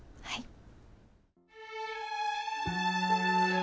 はい。